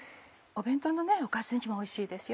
弁当のおかずにもおいしいです。